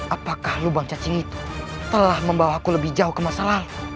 apakah lubang cacing itu telah membawa aku lebih jauh ke masa lalu